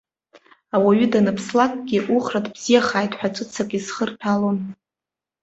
Ауаҩы даныԥслакгьы, ухраҭ бзиахааит ҳәа ҵәыцак изхырҭәалон.